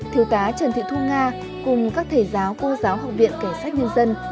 thiếu tá trần thị thu nga cùng các thầy giáo cô giáo học viện cảnh sát nhân dân